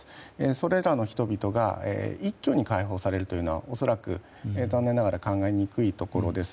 それらの人々が一挙に解放されるというのは恐らく残念ながら考えにくいところです。